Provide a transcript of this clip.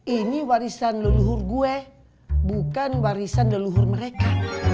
ini warisan leluhur gue bukan warisan leluhur mereka